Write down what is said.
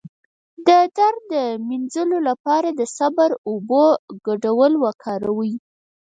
د درد د مینځلو لپاره د صبر او اوبو ګډول وکاروئ